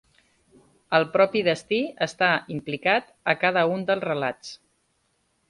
El propi destí està implicat a cada un dels relats.